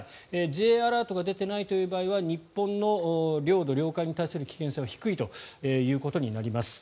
Ｊアラートが出てないという場合は日本の領土、領海に対する危険性は低いということになります。